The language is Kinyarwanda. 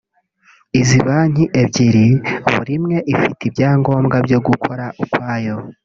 izi banki ebyiri buri imwe ifite ibyangombwa byo gukora ukwayo